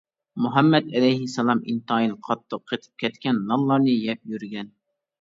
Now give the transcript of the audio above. مۇھەممەد ئەلەيھىسسالام ئىنتايىن قاتتىق قېتىپ كەتكەن نانلارنى يەپ يۈرگەن.